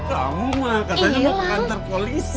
kamu mah katanya mau kantor polisi